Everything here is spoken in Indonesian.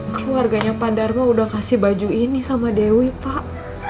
keluarganya pak dharma udah kasih baju ini sama dewi pak